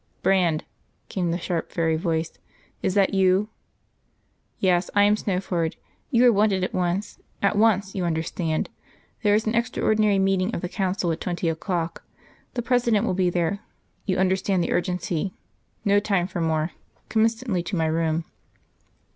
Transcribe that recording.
"Brand," came the sharp fairy voice, "is that you?... Yes, I am Snowford. You are wanted at once at once, you understand. There is an extraordinary meeting of the Council at twenty o'clock. The President will be there. You understand the urgency. No time for more. Come instantly to my room."